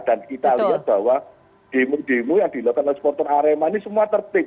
dan kita lihat bahwa demo demo yang dilakukan oleh supporter arema ini semua tertik